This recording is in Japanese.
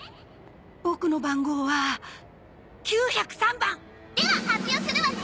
ボクの番号は「９０３ばん」！では発表するわね！